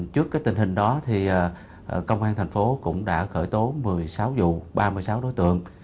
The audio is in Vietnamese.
trước tình hình đó công an thành phố cũng đã khởi tố một mươi sáu vụ ba mươi sáu đối tượng